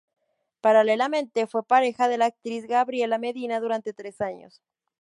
Paralelamente, fue pareja de la actriz Gabriela Medina durante tres años.